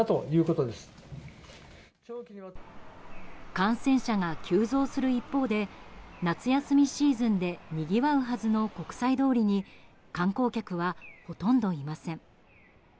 感染者が急増する一方で夏休みシーズンでにぎわうはずの国際通りに観光客はほとんどいません。